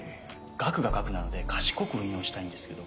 額が額なので賢く運用したいんですけど。